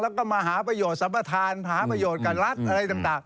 แล้วก็มาหาประโยชน์สัมปทานหาประโยชน์กับรัฐอะไรต่าง